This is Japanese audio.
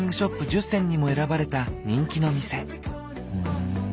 １０選にも選ばれた人気の店。